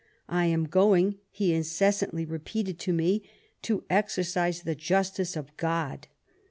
' I am going,' he inces santly repeated to me, ' to exercise the justice of God.'